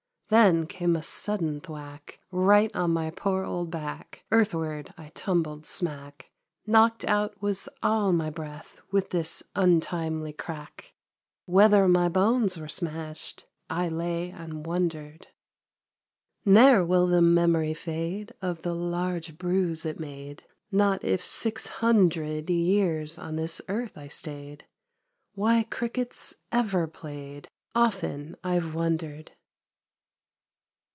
Then came a sudden thwack. Eight on my poor old back. Earthward I tumbled smack. Knocked out was all my breath With this untimely crack ; Whether my bones were smashed, I lay and wondered. Ne'er will the memory fade Of the large bruise it made, Not if six hundred Years on this earth I stayed. Why cricket's ever played. Often I've wondered